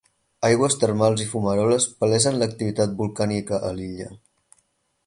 Aigües termals i fumaroles palesen l'activitat volcànica a l'illa.